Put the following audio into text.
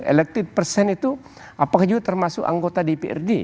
elected person itu apakah juga termasuk anggota dprd